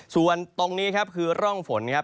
ส่วนตรงนี้ครับคือร่องฝนครับ